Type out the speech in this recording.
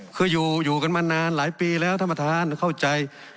คืออยู่กันมานานหลายปีแล้วท่านประธานเข้าใจ